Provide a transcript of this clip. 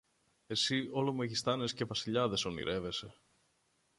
Εσύ όλο μεγιστάνες και βασιλιάδες ονειρεύεσαι